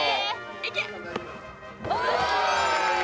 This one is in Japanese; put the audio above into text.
いけ！